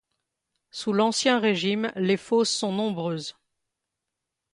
Sous l'Ancien Régime, les fosses sont nombreuses.